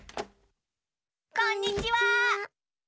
こんにちは！